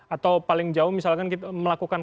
atau paling jauh misalkan kita melakukan